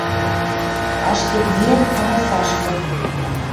Ашкед миэн амасашкы